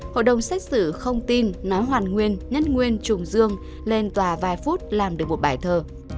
hội đồng xét xử không tin nói hoàn nguyên nhất nguyên trùng dương lên tòa vài phút làm được một bài thơ